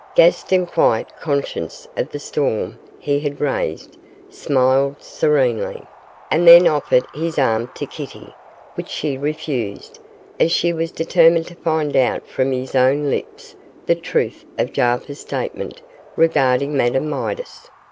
Gaston, quite conscious of the storm he had raised, smiled serenely, and then offered his arm to Kitty, which she refused, as she was determined to find out from his own lips the truth of Jarper's statement regarding Madame Midas.